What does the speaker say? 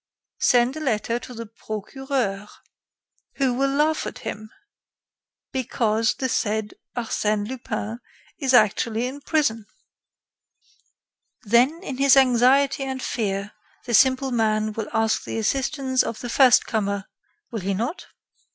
"Send a letter to the Procureur." "Who will laugh at him, because the said Arsène Lupin is actually in prison. Then, in his anxiety and fear, the simple man will ask the assistance of the first comer, will he not?"